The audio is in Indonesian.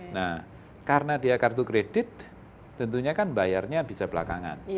nah karena dia kartu kredit tentunya kan bayarnya bisa belakangan